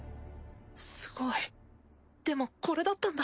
すごいでもこれだったんだ。